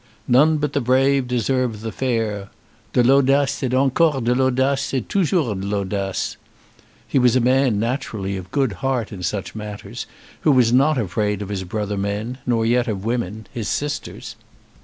"None but the brave deserve the fair." "De l'audace, et encore de l'audace, et toujours de l'audace." He was a man naturally of good heart in such matters, who was not afraid of his brother men, nor yet of women, his sisters.